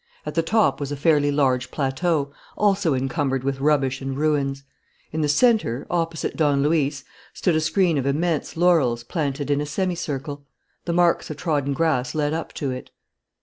At the top was a fairly large plateau, also encumbered with rubbish and ruins. In the centre, opposite Don Luis, stood a screen of immense laurels planted in a semicircle. The marks of trodden grass led up to it.